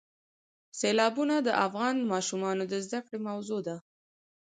سیلابونه د افغان ماشومانو د زده کړې موضوع ده.